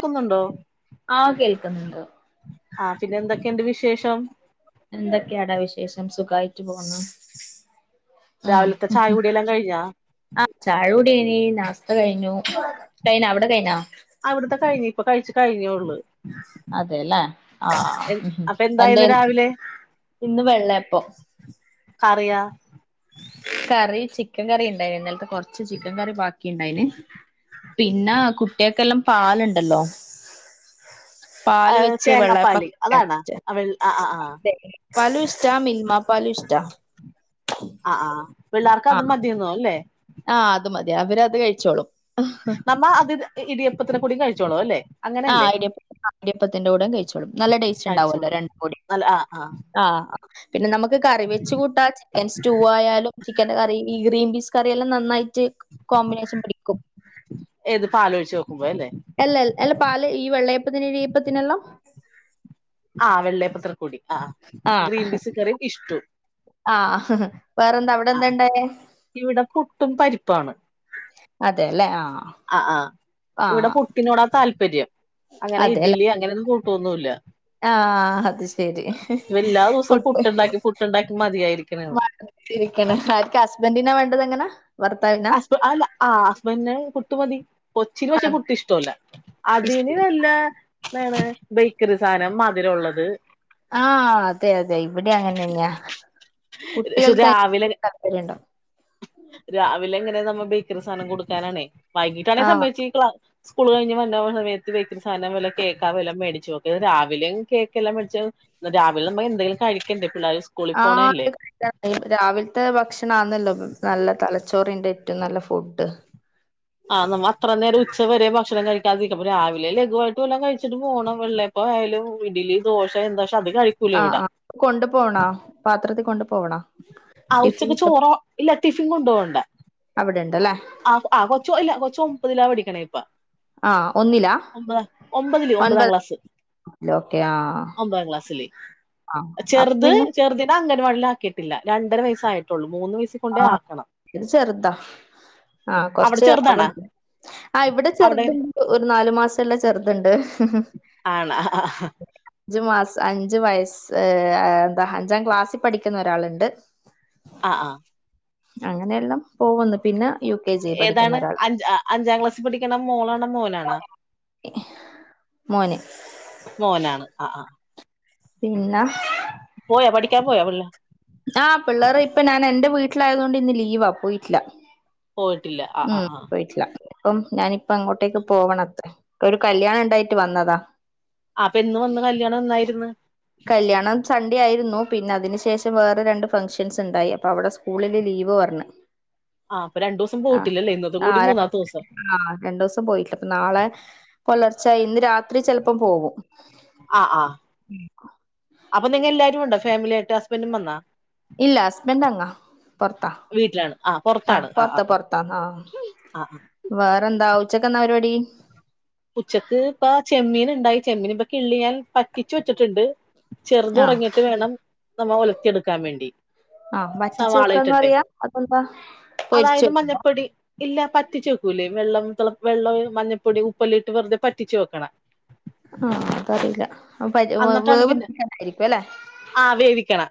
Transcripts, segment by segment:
ക്കുന്നുണ്ടോ ആഹ് കേൾക്ക്ന്ന്ണ്ട് ആഹ് പിന്നെ എന്തൊക്കെണ്ട് വിശേഷം എന്തൊക്കെയാടാ വിശേഷം സുഖായിട്ട് പോന്ന് ആഹ് രാവിലത്തെ ചായ കുടിയെല്ലാം കഴിഞ്ഞാ ആഹ് ചായ കു തെനി നാസ്ത കഴിഞ്ഞു കഴിഞ്ഞോ അവിടെ കഴിഞ്ഞാ അവിടുത്തെ കഴിഞ്ഞി ഇപ്പൊ കഴിച്ച് കഴിഞ്ഞോ ഒള്ള് അതെലെ ആഹ് അപ്പൊ എന്തെ എന്തായിന്ന് രാവിലെ ഇന്ന് വെള്ളെപ്പം കറിയാ കറി ചിക്കൻ കറി ഇണ്ട് ഇന്നല്ത്തെ കൊറ്ച്ച് ചിക്കൻ കറി ബാക്കിണ്ടായിന് പിന്നെ കുട്ട്യേൾക്കെല്ലാം പാല്ണ്ടല്ലോ പാല് വെച്ച് വെള്ളെപ്പം തേങ്ങാപ്പാല് അതാണാ വെ ആ ആ ആ [unintelligible] പാലുഷ്ട്ടാ മിൽമാ പാലുഷ്ട്ടാ ആഹ് ആഹ് പിള്ളാർക്ക് അതും മതിയെന്നോ ല്ലേ ആഹ് അത് മതി അവര് അത് കഴിച്ചോളും നമ്മ അത് ഇടിയപ്പത്തിന് കൂ‌ടി കഴി ച്ചോളും അല്ലേ അങ്ങനെയല്ലേ ആഹ് ഇടിയപ്പ ഇടിയപ്പത്തിന്റെ കൂടം കഴിച്ചോളും നല്ല ടേസ്റ്റ് ഇണ്ടാവല്ലോ കഴിച്ചോളൂ രണ്ടും കൂടി നല്ല ആ ആ ആഹ് പിന്നെ നമുക്ക് കറി വെച്ച് കൂട്ടാച്ച് ചിക്കൻ സ്റ്റൂ ആയാലും ചിക്കന്റെ കറി ഇ ഗ്രീൻ പീസ് കറിയെല്ലാം നന്നായിട്ട് റ്റ് കോമ്പിനേഷൻ പഠിക്കും ആലോച്ചു അല്ല അല്ല പാല് ഈ വെള്ളയപ്പത്തിന് ഇഴയപ്പത്തിനല്ലാം ആ വെള്ളയപ്പത്രൽ കൂടി ആഹ ആ ഹഹ് വേറെന്തവിടെ ആ ഇവിടെ പുട്ടും പരിപ്പാണ് അല്ലേ ആ ആ ആ് ആ ഇവിടെ പുട്ടിനോടാ താല്പര്യം അങ്ങനെ ഇഡലി അങ്ങനെ ഒന്നും തോന്നൂല്ല ആഹ അത് ശരി ഇവ എല്ലാ ദിവസവും പുട്ട് പുട്ടുണ്ടാക്കി പുട്ടുണ്ടാക്കി മതിയായിരിക്കണ് രിക്ക ആർക്ക് ഹസ്ബൻറിനാ വേണ്ടത് എങ്ങനാ വർത്താവിനാ ഹസ്ബ അല്ല ആ ഹസ്ബൻഡിന് പുട്ട് മതി കൊച്ചിന് പക്ഷേ പുട്ടിഷ്ടമല്ല ഇഷ്ട അതിന് നല്ല എന്താണ് ബേക്കറി സാധനം ഇതിലുള്ളത് ആഹ അതെ അതെ ഇവിടെ അങ്ങനെന്നെയാ പക്ഷെ കുട്ടികൾക്ക് രാവിലെ ആയിരിക്കും താല്പര്യവുണ്ടാകുക രാവിലെ എങ്ങനെ നമ്മ ബേക്കറി സാധനം കൊടുക്കാനാണേ വൈകിട്ടാണേ ആഹ് സമ്മയച്ച് ഈ ക്ലാസ് സ്കൂൾ കഴിഞ്ഞ് വന്ന സമയത്ത് ബേക്കറി സാധനം വല്ല കേക്കാ വല്ലാം മേടിച്ചുോക്കെ രാവിലും കേക്കെല്ലാം മേടച്ച് രാവിലെ നമ്മ എന്തെങ്കിലും കഴിക്കണ്ടേ പിള്ളേർ സ്കൂളിൽ ആഹ പോണല്ലേ [unintelligible] രാവിലത്തെ ഭക്ഷണ ആന്നല്ലോ നല്ല തലച്ച ച്ചോറിന്റെ ഏറ്റവും നല്ല ഫുഡ് ആഹ് നമ്മ അത്ര നേം ഉച്ചവരെ ഭക്ഷണം കഴിക്കാതിരിക്കപ്പ രാവിലെ ലഘുവായിട്ട് വല്ലാം കഴിച്ചിട്ട് പോകണം വെള്ളപ്പോ ആയാലും ഇടില് ദോശ എന്താ അത് കഴിക്കൂല ആ ഇവിടെ ആ കൊണ്ടു പോണോ പാത്രത്തിൽ കൊണ്ടു പോവണോ ആ ടിഫിൻ ഉച്ചക്ക് ചോറോ ഇല്ല ടിഫിൻ കൊണ്ടു പോവണ്ട അവിടെ ഉണ്ടല്ലേ [unintelligible] ഒമ്പതിലാ പഠിക്കണേ ഇപ്പ ആഹ് ഒന്നിലാ ഒമ്പത് ഒമ്പതാം ഒൻപതാം ക്ലാസില് ഓക്കെ ആഹ് ഒമ്പതാം ക്ലാസ് ആഹ് അപ്പൊ ചെറുത് പിന്നെ ചെറുതിനങ്ങനെ രണ്ടര വയസ്സായിട്ടുള്ളു ആ ഇത് ചെറുതാ ആ അവിടെ കൊറച്ച് ചെറുതാണാ ആവണ്ട് ആ ഇവിടെ അവിടെ ചെറുതുണ്ട് ഒരു നാലു മാസുള്ള ചെറുതുണ്ട് ആണാ അഞ്ചു മാസം അഞ്ചു വയസ്സ് എന്താ അഞ്ചാം ക്ലാസ്സിൽ പഠിക്കുന്ന ഒരാളുണ്ട് ആഹ ആഹ അങ്ങനെയെല്ലാം പോവന്ന് പിന്ന ഏതാണ് അഞ്ച് അഞ്ചാം ക്ലാസ്സിൽ പഠിക്കണ മോളാണോ മോനാണോ മോനേ മോനാണ് ആ അ പിന്നാ പോയാ പഠിക്കാൻ പോയാ പിള്ള ആ പിള്ളേറിപ്പനാന് എൻ്റെ വീട്ട് വീട്ടിലായതുകൊണ്ട് ഇന്ന് ലീവാ പോയിട്ടില്ല പോയിട്ടില്ല ആഹ് ആഹ് ആഹ് അപ്പം ഞാനിപ്പങ്ങോട്ടേക്ക് പോവണത്രേ ഒരു കല്യാണം ഉണ്ടായിട്ട് വന്നതാ ആഹ് എന്ന് വന്ന കല്യാണം എന്നായിരുന്ന് കല്യാണം സൺഡേ ആയിരുന്നു പിന്നെ അതിന് ശേഷം വേറെ രണ്ട് ഫംഗ്ഷൻസ് ഇണ്ടായി അപ്പൊ അവിട സ്കൂളില് ലീവ് പർഞ്ഞ് ആഹ് അപ്പൊ രണ്ടുസം ആഹ് ആഹ് ആഹ് രണ്ടോസം പോയില അപ്പൊ നാളെ പെലർച്ചായിന്ന് രാത്രി ചെലപ്പം പോവും ആ ആ ഫാമിലിയാട്ട് ഹസ്ബൻഡും വന്നാ ഇല്ല ഹസ്ബന്റ് അങ്ങാ പൊറത്താ വീട്ടിലാണ് ആ ആഹ് പുറത്താണ് ആ ആ പൊറത്താ ആ പൊറത്താ ആഹ് ആ ആ. വേറെന്താ ഉച്ചക്കെന്നാ പരിപാടി ഉച്ചക്ക് ഇപ്പ ചെമ്മീന്ണ്ടായി ചെമ്മീൻ ഇപ്പം കിള്ളി ഞാൻ പറ്റിച്ചു വെച്ചിട്ടുണ്ട് ആഹ് ചെറുതൊറങ്ങിട്ട് വേണം നമ്മ ഒലത്തിയെടുക്കാൻ വേണ്ടി ആഹ് വറ്റിച്ച് സവാള വെക്കാന്ന് ഇട്ടിട്ടെ പറയാ അതെന്താ പൊരിച്ച് അതായത് വെക്കുന്നോ മഞ്ഞപ്പൊടി ഇല്ല പറ്റിച്ച് വെക്കൂലേ വെള്ളം തെള വെള്ളവേ മഞ്ഞപ്പൊടി ഉ പ്പില്ലിട്ട് വെറുതെ പറ്റിച്ചു വെക്കണ ആഹ് അതറിയില്ല വേ എന്നിട്ടാണ് പിന്നെ [unintelligible] അല്ലെ ആ വേവിക്കണ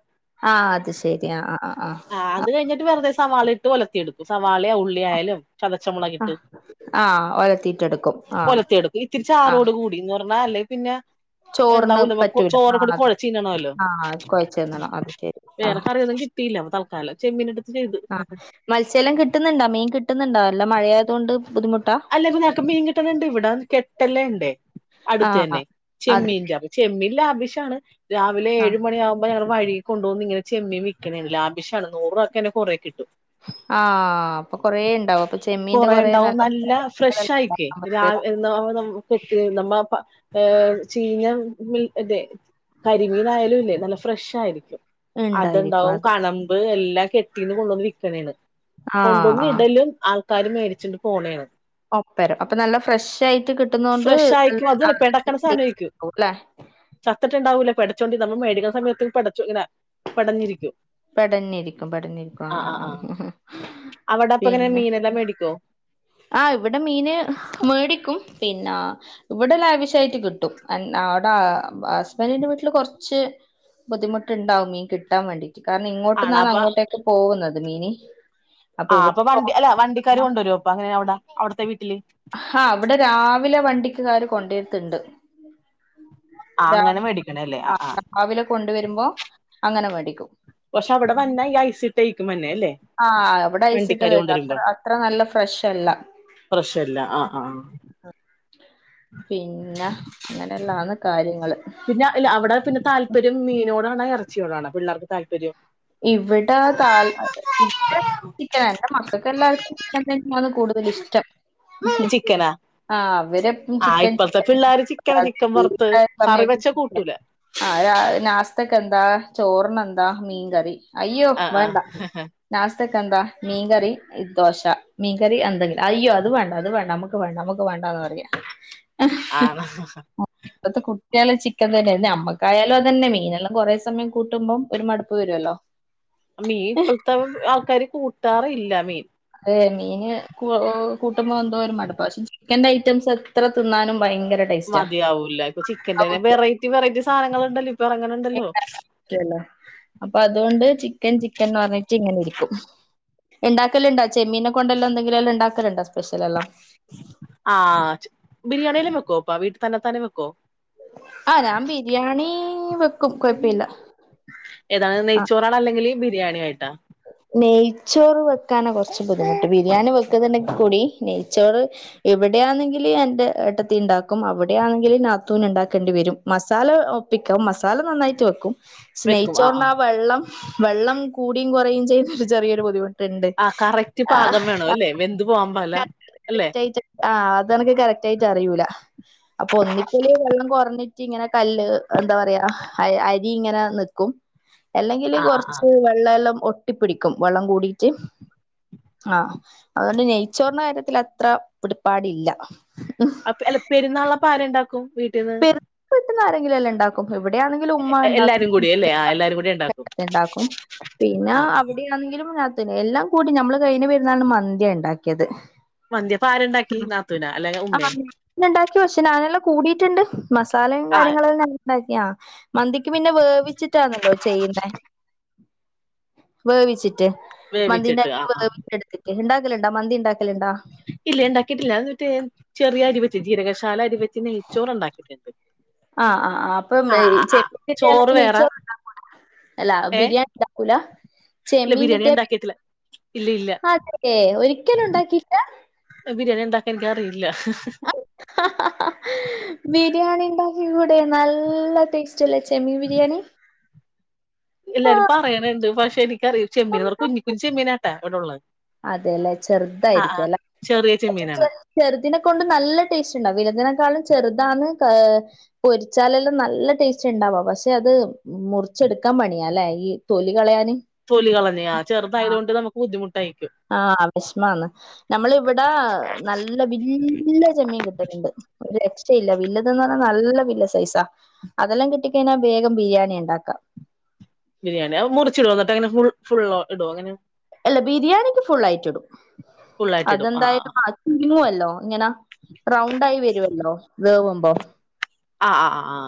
ആഹ് അത് ശെരി ആഹ് ആഹ് ആ അത് കഴിഞ്ഞിട്ട് വേ സവാളയിട്ട് ഒലത്തിയെടുക്കും വാളയോ ഉള്ളിയായാലും ആഹ് ചതച്ചമോളകിട്ട് ആഹ് ആഹ് ഒലത്തിട്ടെടുക്കും ആഹ് ഒലത്തിയെടുക്കും ഇച്ചിരി ചാറോടു കൂടിന്ന് ഇടാണ അല്ലേ പിന്നെ ചോറ്ന്ന് ഉണ്ടാവൂല നമുക്ക് പറ്റൂല ചോറ് കൂടി കുഴച്ച് തിന്നണമല്ലോ ആഹ്‌ കൊഴച്ചിന്നണം അത് ശെരി ആഹ് ട്ടില്ല അപ്പോ ത ആഹ് മത്സ്യല്ലോം കിട്ടുന്ന്ണ്ടാ മീൻ കിട്ടുന്ന്ണ്ടാ നല്ല മഴയ തൊണ്ട് അല്ലമ് നമ്മക്ക് മീൻ കിട്ടണ് ണ്ട് ഇവിട കെട്ടല്ലേംണ്ടേ ആഹ് അടുത്തെന്നെ അത് ചെമ്മീന്റെ അപ്പോ ചെമ്മീൻല്ല വിഷാണ് രാവിലെ ആഹ് ഏഴ് മണി ആകുമ്പോ ഞങ്ങ വഴികൊണ്ടുവന്ന് ഇങ്ങനേ ചെമ്മീൻ വിക്കാണേണ് ലാവിഷാണ് നൂറൂവക്കന്നെ കൊറേ കിട്ടും ആഹ് അപ്പോ കൊറേ ഇണ്ടാവും കുറേണ്ടാവും നല്ല ഫ്രഷ് ആയിക്കേ രാവി എന്നാ നമ്മ കെട്ടി നമ്മ ഏ ചീഞ്ഞ മീ ഇതെ കരിമീനായാലും ഇല്ലേ നല്ല ഫ്രഷ് ആയിരിക്കും അത് ഇണ്ടായിരിക്കും ഇണ്ടാവും അത് കണമ്പ് എല്ലാ ല്ലാം കെട്ടീന്ന് കൊണ്ടന്ന് വിൽക്കണേണ് ആഹ് കൊണ്ടുവന്ന് ആഹ് ഇടലും ആൾക്ക ക്കാര് മേടച്ചോണ്ട് പോണേണ് ഒപ്പരും അപ്പോ നല്ല ഫ്രഷ് ആയിട്ട് കിട്ടുന്നോണ്ട് ഫ്രഷ് ആയിരിക്കും അത് പെടക്കണ സാധനമായിരിക്കും [inaudible] ല്ലേ പേടച്ചോണ്ട് നമ്മ മേടിക്കുന്ന സമയത്ത് പേടച്ചോണ്ട് ഇങ്ങനെ പെടഞ്ഞിരിക്കും പെടഞ്ഞിരിക്കും പെടഞ്ഞിരിക്കും ആ ആ അവിടെ അപ്പ ഇങ്ങനെ പിന്നെ മീനെല്ലാം മേടിക്കോ ആ ഇവിടെ മീന് മേടിക്കും പിന്നെ ഇവിടെ ലാവിഷായിട്ട് കിട്ടും അടെ ഹസ്ബൻഡിന്റെ വീട്ടില് കുറച്ച് ബുദ്ധിമുട്ട് ഇണ്ടാവും മീൻ കി ട്ടാൻ വേണ്ടി കാരണം ആണ ഇങ്ങോട്ട്ന്നാണ് അപ്പ അങ്ങോട്ടേക്ക് പോകുന്നത് മീനി ആ അപ്പ വണ്ടി അല്ല വണ്ടിക്കാര് കൊണ്ടുവരോ അപ്പ എങ്ങനെയാ അവിടെ അവിട്ത്തെ വീട്ടില് ആഹ് അവിടെ രാവിലെ വണ്ടിക്ക്കാര് കൊണ്ടേരെത്തുണ്ട് ആ രാവി അങ്ങനെ മേടിക്കണല്ലേ ആ രാവിലെ കൊണ്ടുവരുമ്പോ അങ്ങനെ വേടി ടിക്കും പക്ഷെ അവിടെ വന്നേ ഐസി ഇട്ടേക്കും വന്നേ ആ എവിടെ ഐസ് ഇട്ടതന്നെ അത്ര അത്ര നല്ല ഫ്രഷ് അല്ല പ്രശ്നല്ല ആ ആ പിന്ന ഇങ്ങനെ നാണ് കാര്യങ്ങള് പിന്നെ അല്ല അവിടെ പിന്നെ താൽ പര്യം മീനോടാണ ഇറച്ചിയോടാണ പിള്ളേർക്ക് താല്പര്യം ഇവിടെ തൽ [inaudible] ചിക്കനാ എന്റെ മക്കൾക്ക് എല്ലാർക്കും ചിക്കൻ തന്നെയാണ് കൂടു ഇഷ്ടം ചിക്കനാ ആ അവരെപ്പ ആ ചിക്കൻ ഇപ്പഴത്തെ ചിക്കൻ പിള്ളേര് ചിക്കന ചിക്കൻ വറുത്ത് [inaudible] കറി വെച്ച സമയത്ത് കൂട്ടൂല ആ നാസ്തക്കെ എന്താ ചോറ് [unintelligible] എന്താ മീൻ കറി അയ്യോ ആ ആ വേണ്ട നാസ്തക്കെന്താ മീൻ കറി ദോശ മീൻകറി എന്തെങ്കിലും അയ്യോ അത് വേണ്ട അത് വേണ്ട നമുക്ക് വേണ്ട നമുക്ക് വേണ്ടാന്ന പറയാ ആന്ന ഇത്തെ കുട്ടിയാലും ചിക്കൻ തന്നെയായി നമ്മക്കായാലും അതന്നെ മീനെല്ലാം കുറേ സമയം കൂട്ടുമ്പോ ഒരു മടുപ്പ പ്പു വരുവല്ലോ മീൻ ഇപ്പൾത്ത ആൾക്കാര് കൂട്ടാറില്ല മീൻ ഏ മീന് കൂട്ടുമ്പോൾ എന്തോ ഒരു മടുപ്പ പക്ഷെ ചിക്കന്റെ ഐറ്റംസ് എത്ര തിന്നാനും ഭയങ്കര ടേസ്റ്റാ മതിയാവൂല ഇപ്പൊ ചിക്കന്റെ തന്നെ വെറൈറ്റി വെറൈറ്റി സാധനങ്ങൾ ഇണ്ടല്ലോ റ്റല്ലോ അപ്പൊ അതുകൊണ്ട് ചിക്കൻ ചിക്കൻന്ന് പറഞ്ഞിട്ട് ഇങ്ങനെ ഇരിക്കും ഉണ്ടാക്കലണ്ടോ ചെമ്മീൻ കൊണ്ടെല്ലാം എന്തെങ്കിലും എല്ലാം ഉണ്ടാക്കലണ്ടോ സ്പെഷ്യൽ എല്ലാം ആ ബിരിയാണിയെല്ലാം വെക്കോ അപ്പ വീട്ടിൽ തന്നെ താനെ വെക്കോ ആ ഞാൻ ബിരിയാണി ണി വെക്കും കുഴപ്പമില്ല ഏതാണ്‌ ആ നെയ്ച്ചോറാണ്ണല്ലെങ്കിൽ ബിരിയാണി ആയിട്ടാ നെയ്ച്ചോറ് വെക്കാന കുറച്ച് ബുദ്ധിമുട്ട് ബിരിയാണി വെക്കുന്നുണ്ടെങ്കി കൂടി നെയ്ച്ചോറ് എവിടെയാണെങ്കില് എന്റെ ഏട്ടത്തീ ഉണ്ടാക്കും അവിടെ ആണെങ്കിൽ നാത്തൂന് ഉണ്ടാക്കേണ്ടി വരും മസാല ഒപ്പിക്കാം മസാല നന്നായിട്ട് വെക്കും നെയ്യ് ചോറിന് ആ വെള്ളം വെള്ളം കൂടിയും കുറയും ചെയ്ത ചെറിയൊരു ബുദ്ധിമുട്ട് ണ്ട് ആ കറക്റ്റ് പാകം വേണം അല്ലേ വെന്ത് പോവാൻ പാടില്ല അല്ലെ [unintelligible] ആ അത കറക്യി അറിയൂല അപ്പൊ ഒന്നിങ്കല് വെള്ളം കുറഞ്ഞിട്ട് ഇങ്ങനെ കല്ല് എന്താ പറയാ അരി ഇങ്ങനെ നിക്കും അല്ലെങ്കില് ആ ആ ആ കൊറച്ച് വെള്ളം എല്ലാം ഒ ഒട്ടിപ്പിടിക്കും വെള്ളം കൂടിട്ട് ആ അതുകൊണ്ട് നെയ്ച്ചോറിന്റെ കാര്യത്തിൽ അത്ര പിടിപ്പാടില്ല അപ്പൊ പെരുന്നാളിന് ആപ്പ ആര് ഉണ്ടാക്കും വീട്ടീന്ന് പെരുന്നാക്ക് ആരെങ്കിലും എല്ലാം ഉണ്ടാക്കും ഇവിടെയാണെങ്കിലും ഉമ്മ എല്ലാരും ഉണ്ടാക്കുംണ്ടും കൂടി അല്ലേ ആ എല്ലാരും കൂടി ഉണ്ടാക്കും ഉണ്ടാക്കും പിന്നെ ആ ആ അവിടെ ആണെങ്കിലും [unintelligible] എല്ലാം കൂടി നമ്മള് കഴിഞ്ഞ പെരുന്നാളിന് മന്തിയ ഇണ്ടാക്കിയത് മന്തിയപ്പ ആരുണ്ടാക്കി നാത്തൂനാ അല്ലെങ്കി ആ ഉമ്മേ ഉണ്ടാക്കിയ പക്ഷേ ഞാനെല്ലാം കൂടീട്ടുണ്ട് മസാലയും ആ കാര്യങ്ങളെല്ലാം ഉണ്ടാക്കി മന്തി ക്കു പിന്നെ വേവിച്ചിട്ടാണല്ലോ ചെയ്യുന്നെ വേവിച്ചിട്ട് ട്ട് മന്തിന്റെ വേവിച്ചിട്ട് അരി ആ ആ വേവിച്ച് എടു ഉണ്ടാക്കലണ്ട മന്തി ഉണ്ടാക്ക ഇല്ല ഉണ്ടാക്കിയിട്ടില്ല അത് മറ്റേ ചെറിയ അരി പറ്റോ ജീരക റൈസ് കാല അധപ ആ ആ അപ്പം ആ ആ ആ ചോറ് വേറെ ചെപ്പട്ടളത്തിച്ചോറ്ണ്ട അല്ല ഏ ബിരിയാണി ഉണ്ടാക്കൂല ഇല്ല ചെമ്മീ ബിരിയാണി കിട്ടിയാ ഉണ്ടാക്കിയിട്ടില്ല ഇല്ല ഇല്ല അതെ ഒരിക്കലും ഉണ്ടാക്കിയില്ല ബിരിയാണി ഉണ്ടാക്കാൻ എനിക്ക അറിയില്ല ഇവിടെ നല്ല ടേസ്റ്റ്ല്ലേ ചെമ്മീ ബിരിയാണി ആ എല്ലാരും പറയാനുണ്ട് പക്ഷെ എനിക് കറി ചെമ്മീൻ അവ കുഞ്ഞുഞ്ഞി ചെമ്മീനാട്ടാ ഇവിടെള്ളത് അതെല്ലേ ചെറുതായിരിക്കും അല്ല ചെറിയ ചെമ്മീനാണ് ചെറുതിനിനെ കൊണ്ട് നല്ല ടേസ്റ്റ് ഉണ്ടാവും വിലിനേക്കാള ചെറുതാന്ന് പൊരിച്ചാലെല്ലാം നല്ല ടേസ്റ്റ് ഉണ്ടാവാ പക്ഷെ അത് മുറിച്ചെടുക്കാൻ പണിയാ അല്ലേ ഈ തൊലി കളയാന തൊലി കളഞ്ഞാ ചെറുതായത കൊൊണ്ട് നമുക്ക് ബു ആഹ വിഷമാന്ന് നമ്മള ഇവിടെ നല്ല വല്യ ചെമ്മീൻ കിട്ടട്ടുണ്ട് ഒരു പ ഇല്ല വില്ലതന്ന് പറഞ്ഞാൽ നല്ല വില്ല സൈസാ അതെല്ലാം കിട്ടിക്കഴിഞ്ഞാൽ വേഗം ബിരിയാണി ഉണ്ടാക്കാം ബിരിയാണി മുറിച്ചിടു എന്നിട്ട് അനുൾ ഫുൾ ഇടോ അങ്ങനെ അല്ല ബിരിയാണിക്ക് ഫുൾ ആയിട്ട ഇടും ഫുള്ളായിട്ട് ഇടും ആ അതെന്തായുംീണുവല്ലോ ഇങ്ങനെ റൗണ്ട ആായി വരുമല്ലോ വേവ വ ആ ആ ആ ആ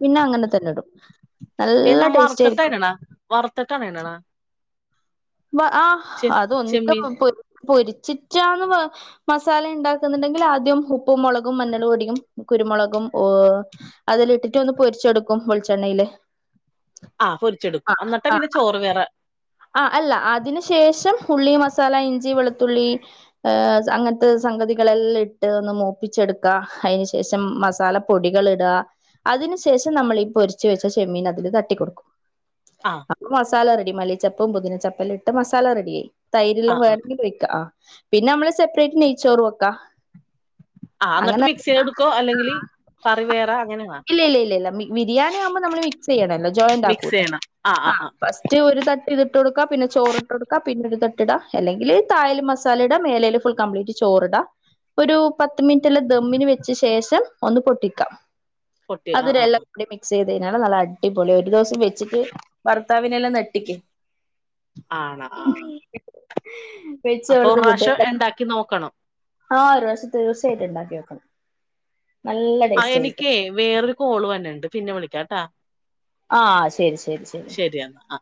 പിന്നെ അങ്ങനെ തന്നെ ഇടും നല്ല ടേസ്റ്റ് ആയിരിക്കും ഇ താനണ ആ അതൊന്നിക്ക ചെമ്മീൻ പൊരിച്ചിട്ടാന്ന് മസാല ഉണ്ടാക്കുന്നുണ്ടെങ്കിൽ ആദ്യം ഉപ്പും മുളകും മഞ്ഞൾപൊടിയും കുരുമുളകും അതില ഇട്ടിട്ട് ഒന്ന് പൊരിച്ചെടുക്കും വെളിച്ചെണ്ണയില് ആപൊരിച്ചെടുക്കും എന്നിട്ടാ പിന്നെ ചോറ് വേറെ ആ അല്ല അതിനു ശേഷം ഉള്ളി മസാല ഇഞ്ചി വെളുത്തുള്ളി ഏ അങ്ങനത്തെ സംഗതികളെല്ലാം ഇട്ട് ഒന്ന് മൂപ്പിച്ചെടുക്കാ അതിനന് ശേഷം മസാല പൊടികൾ ഇടുക അതിനു ശേഷം നമ്മൾീ പൊരിച്ച് വെച്ച ചെമ്മീൻ അതില് തട്ടിൊടുക്കും ആ അ സാല ഡ മി ചപ്പും പൊത്തിനചപ്പും അപ്പലിട്ട് മസാല റെഡി ആായി ആ തൈര്ല്ലാം ആ വേണമെങ്കിൽ വയ്ക്കാം ആ പിന്നെ നമ്മള് സെപ്പറേറ്റ് നെയ്ച്ചോറ വെക്കാ ആ എന്നിട്ട് അങ്ങനെ മിക്സ് ചെയ്തെടുക്കോ അല്ലെങ്കില് കറി വേറെ അങ്ങനെയാണോ ഇല്ലല്ല ഇല്ലല്ല ബിരിയാണി ആവുമ്പോ നമ്മൾ മിക്സ് ചെയ്യണല്ലോ ജോയിന്റ് ആക്കൂട്ടെ ആ ഫസ്റ്റ് ഒരു ത ഇതിട്ട് കൊടുക്ക പിന്നെ ചോറിട്ട്ടുക്ക പിന്നെ ഇട്ട് ട അല്ലെങ്കിൽ തായൽ മസാല ഇടാ മേലൽ ഫുൾ കംപ്ലീറ്റ് ചോറിടാ ഒരു പത്ത് മിനിറ്റ്ല്ലാം ദമ്മിന് വെച്ച ശേഷം ഒന്ന് പൊട്ടിക്കാം പൊട്ടി ആ ആ [unintelligible] ചെയ്തയ്ഞ്ഞാല് നല്ല അടിപൊളി ഒരു ദിവസം വെചിട്ട് വർ ഭർത്താവിനെല്ലാം നെട്ടിക്ക് ആണ ആഹ് വെച്ച് അപ്പൊ പ്രാവശ്യം ണ്ടാക്കി നോക്കണം ആഹ ഒരു പ്രാവശ്യം തീർച്ചയിട്ടും ണ്ടാക്ക്യോക്കണം ആ എനിക്കേ വേറൊരു കോള് വര്ന്ണ്ട് പിന്നെ വിളിക്കാട്ടാ ആഹ ശരി ശരി ശരി ശരിയെന്നാ ആ